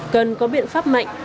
cần có biện pháp mạnh